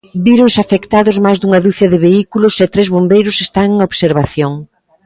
Víronse afectados máis dunha ducia de vehículos e tres bombeiros están en observación.